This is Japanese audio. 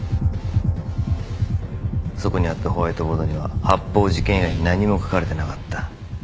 そこにあったホワイトボードには発砲事件以外何も書かれてなかった。